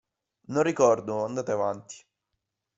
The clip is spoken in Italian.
Non ricordo; andate avanti